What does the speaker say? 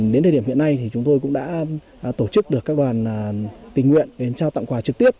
đến thời điểm hiện nay thì chúng tôi cũng đã tổ chức được các đoàn tình nguyện đến trao tặng quà trực tiếp